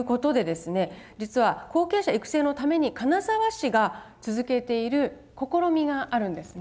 実は後継者育成のために金沢市が続けている試みがあるんですね。